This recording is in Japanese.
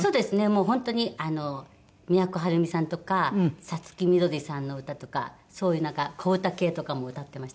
もう本当に都はるみさんとか五月みどりさんの歌とかそういうなんか小唄系とかも歌ってましたね。